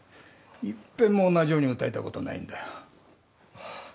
いっぺんも同じように歌えたことないんだよ